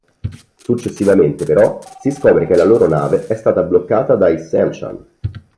Successivamente però si scopre che la loro nave è stata bloccata dai Seanchan.